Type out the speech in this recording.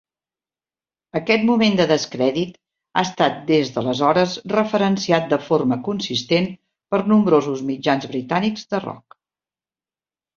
Aquest moment de descrèdit ha estat des d'aleshores referenciat de forma consistent per nombrosos mitjans britànics de rock.